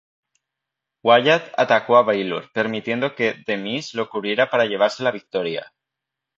Wyatt atacó a Bálor, permitiendo que The Miz lo cubriera para llevarse la victoria.